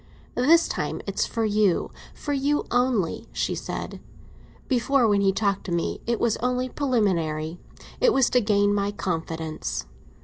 "This time it's for you—for you only," she said. "Before, when he talked to me, it was only preliminary—it was to gain my confidence.